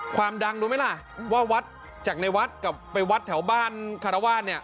ความดังรู้ไหมล่ะว่าวัดจากในวัดกับไปวัดแถวบ้านคารวาสเนี่ย